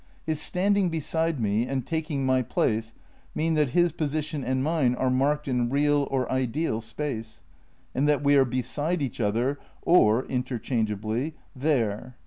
His "standing beside me" and "taking my place" mean that his position and mine are marked in real (or ideal) space, and that we are beside each other, or interchangeably, there.